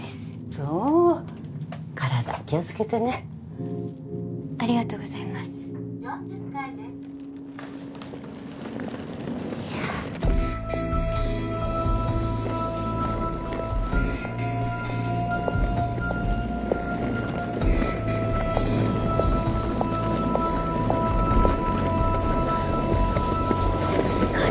そう体気をつけてねありがとうございます４０階ですよいしょ鍵